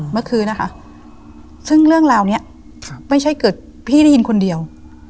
เมื่อคืนนะคะซึ่งเรื่องราวนี้ไม่ใช่เกิดพี่ได้ยินคนเดียว